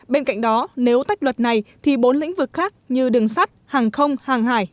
bên cạnh đó nếu tách luật này thì bốn lĩnh vực khác như đường sắt hàng không hàng hải